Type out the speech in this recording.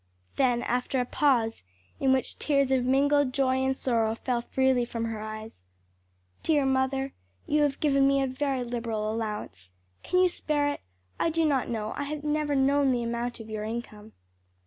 Then after a pause in which tears of mingled joy and sorrow fell freely from her eyes, "Dear mother, you have given me a very liberal allowance. Can you spare it? I do not know, I have never known the amount of your income."